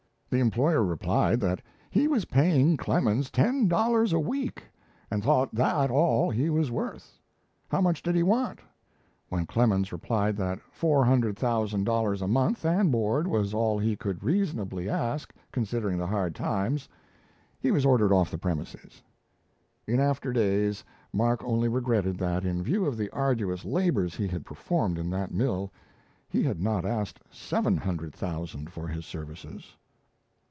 The employer replied that he was paying Clemens ten dollars a week, and thought that all he was worth. How much did he want? When Clemens replied that four hundred thousand dollars a month, and board, was all he could reasonably ask, considering the hard times, he was ordered off the premises! In after days, Mark only regretted that, in view of the arduous labours he had performed in that mill, he had not asked seven hundred thousand for his services!